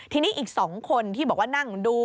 ทีนี้อีก๒คนที่บอกว่านั่งดู